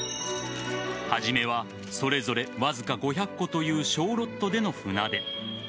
初めはそれぞれわずか５００個という小ロットでの船出。